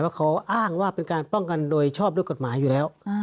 เขาอ้างว่าเป็นการป้องกันโดยชอบด้วยกฎหมายอยู่แล้ว